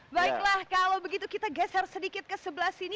baiklah kalau begitu kita geser sedikit ke sebelah sini